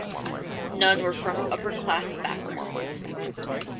None were from upper class backgrounds.